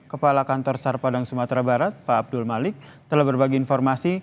kepala kantor sarpadang sumatera barat pak abdul malik telah berbagi informasi